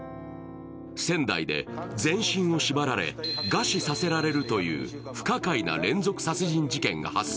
仙台で全身を縛られ餓死させられるという不可解な連続殺人事件が発生。